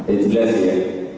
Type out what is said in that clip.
ini jelas ya